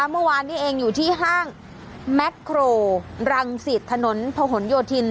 เมื่อวานนี้เองอยู่ที่ห้างแม็กโครรังสิตถนนพะหนโยธิน